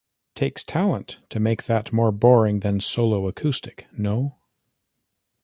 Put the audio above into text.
Takes talent to make that more boring than solo acoustic, no?